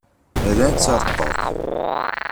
Rran-tt ɣer ṭṭerf.